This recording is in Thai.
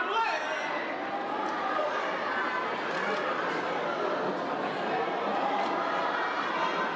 สวัสดีครับ